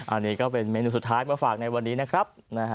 อันนี้ก็เป็นเมนูสุดท้ายมาฝากในวันนี้นะครับ